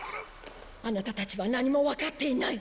アナタたちは何もわかっていない。